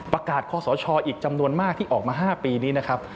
คอสชอีกจำนวนมากที่ออกมา๕ปีนี้นะครับ